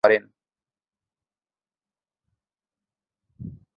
রশীদ তার কাজ দেখে তাকে এই ছবির জন্য নির্বাচন করেন।